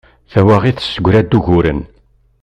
Tawaɣit tessegra-d uguren.